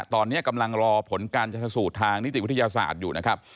ตอนนี้กำลังรอผลการชนสูตรทางนิติวิทยาศาสตร์อยู่นะครับ